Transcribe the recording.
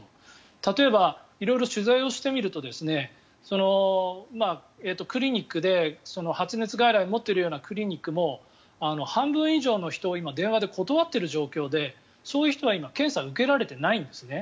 例えば、色々取材をしてみるとクリニックで発熱外来を持っているようなクリニックも半分以上の人を今、電話で断っている状況でそういう人は今、検査を受けられていないんですね。